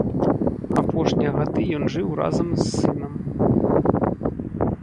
Апошнія гады ён жыў разам з сынам.